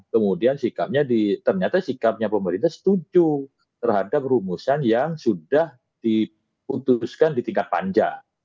kemudian sikapnya di ternyata sikapnya pemerintah setuju terhadap rumusan yang sudah diputuskan di tingkat panjang